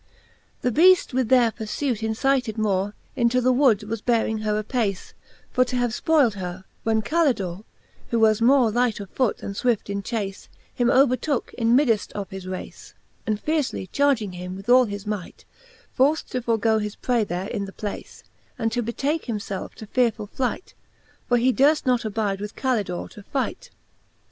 The Beaft with their purfiit incited more, Into the wood was bearing her apace, For to have ipoyled her, when Calidorej Who was more light of foote and fwift in chace, Him overtooke in middeft of his race; And fiercely charging him with all his might, Forft to forgoe his pray there in the place, And to betake himielfe to fearefuU flight j For he durft not abide with Calidore to fight.